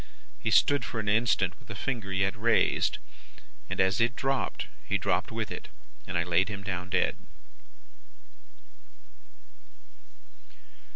He stood for an instant with the finger yet raised, and as it dropped, he dropped with it, and I laid him down dead.